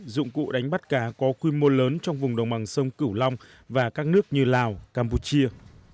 dụng cụ đánh bắt cá có quy mô lớn trong vùng đồng bằng sông cửu long và các nước như lào campuchia